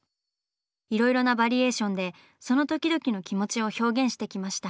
いろいろなバリエーションでその時々の気持ちを表現してきました。